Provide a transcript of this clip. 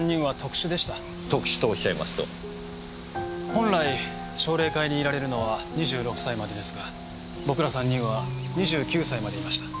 本来奨励会にいられるのは２６歳までですが僕ら３人は２９歳までいました。